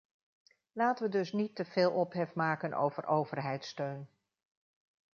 Laten we dus niet teveel ophef maken over overheidssteun.